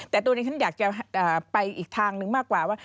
แต่ตัวนี้ฉันอยากจะไปอีกทางหนึ่งมากกว่าว่า